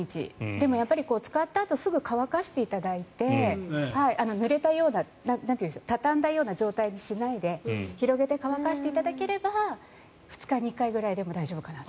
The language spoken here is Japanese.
でもやっぱり、使ったあとすぐ乾かしていただいてぬれたような畳んだような状態にしないで広げて乾かしていただければ２日に１回ぐらいでも大丈夫かなと。